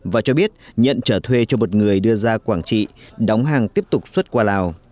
và cho biết nhận trở thuê cho một người đưa ra quảng trị đóng hàng tiếp tục xuất qua lào